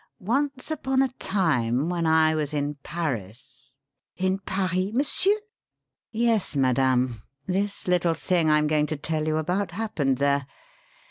Once upon a time when I was in Paris " "In Paris, monsieur?" "Yes, madame this little thing I'm going to tell you about happened there.